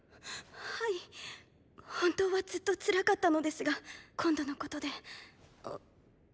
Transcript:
はい本当はずっとつらかったのですが今度のことであ。